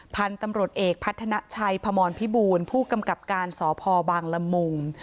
พันธุ์ตำรวจเอกพัฒนาชัยพมรพิบูลผู้กำกับการสพบางละมุง